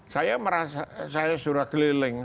saya merasa saya sudah keliling